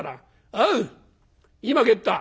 おう今帰った。